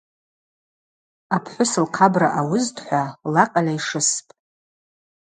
Апхӏвыс лхъабра ауызтӏхӏва, лакъыль айшыспӏ.